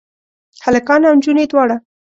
هلکان او انجونې دواړه؟